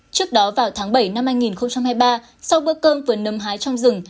trước đó vào tháng bảy năm hai nghìn hai mươi ba sau bữa cơm vừa nấm hái trong rừng